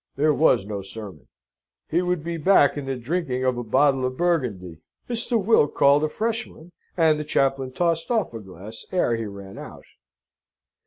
There was no sermon. He would be back in the drinking of a bottle of Burgundy. Mr. Will called a fresh one, and the chaplain tossed off a glass ere he ran out.